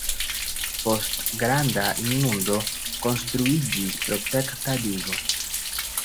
Post granda inundo konstruiĝis protekta digo.